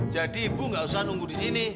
jadi ibu gak usah nunggu disini